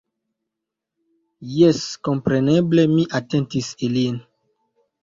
Jes, kompreneble mi atentis ilin.